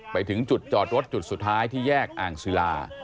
ไปถึงจุดจอดรถจุดสุดท้ายที่แยกอ่างศิลา